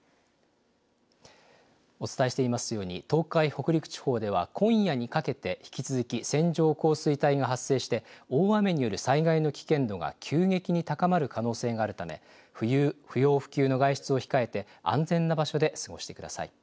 お伝えしていますように、東海、北陸地方では、今夜にかけて、引き続き線状降水帯が発生して、大雨による災害の危険度が急激に高まる可能性があるため、不要不急の外出を控えて、安全な場所で過ごしてください。